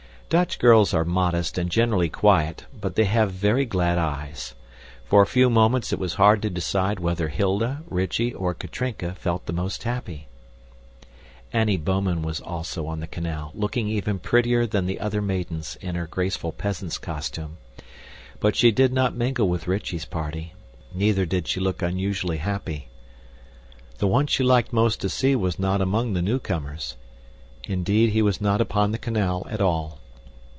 Dutch girls are modest and generally quiet, but they have very glad eyes. For a few moments it was hard to decide whether Hilda, Rychie, or Katrinka felt the most happy. Annie Bouman was also on the canal, looking even prettier than the other maidens in her graceful peasant's costume. But she did not mingle with Rychie's party; neither did she look unusually happy. The one she liked most to see was not among the newcomers. Indeed, he was not upon the canal at all.